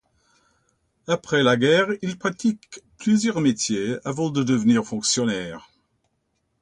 Après la guerre, il pratique plusieurs métiers avant de devenir fonctionnaire.